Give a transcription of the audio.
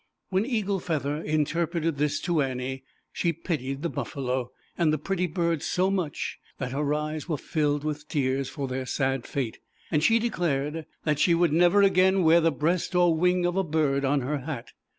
When Eagle Feather interpreted this to Annie, she pitied the Buffalo, and the pretty birds so much, that her eyes were filled with tears for their sad fate, and she declared that she would never again wear the breast or wing of a bird on her hat.